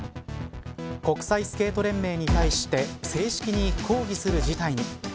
国際スケート連盟に対して正式に抗議する事態に。